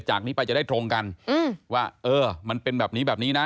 จากนี้ไปจะได้ตรงกันว่าเออมันเป็นแบบนี้แบบนี้นะ